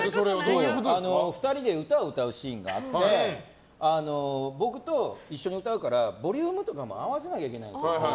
２人で歌を歌うシーンがあって僕と一緒に歌うからボリュームとかも合わせなきゃいけないんですよ。